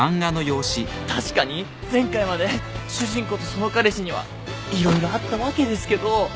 確かに前回まで主人公とその彼氏には色々あったわけですけど。